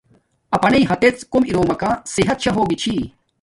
اپنانݵ ہاتڎ کوم اروم ماکا صحت شا ہوگی چھی